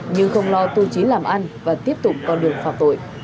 nhưng không lo tư chí làm ăn và tiếp tục con đường phạt tội